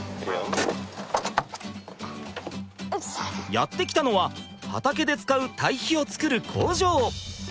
やって来たのは畑で使う堆肥をつくる工場。